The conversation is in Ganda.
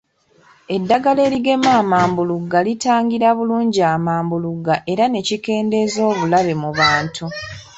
Eddagala erigema amambulugga litangira bulungi amambulugga era ne kikendeeza obulabe mu bantu